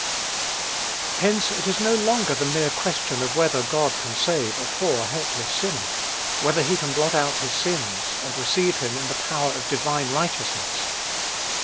Hence, it is no longer the mere question whether God can save a poor, helpless sinner, whether he can blot out his sins, and receive him in the power of divine righteousness.